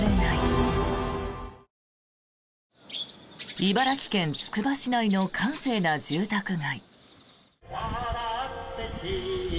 茨城県つくば市内の閑静な住宅街。